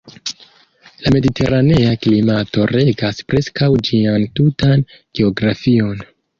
La mediteranea klimato regas preskaŭ ĝian tutan geografion.